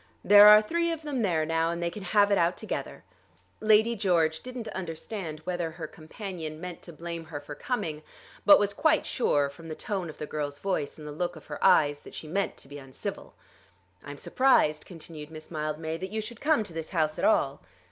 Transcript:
There are three of them there now, and they can have it out together." Lady George didn't understand whether her companion meant to blame her for coming, but was quite sure, from the tone of the girl's voice and the look of her eyes, that she meant to be uncivil. "I am surprised," continued Miss Mildmay, "that you should come to this house at all."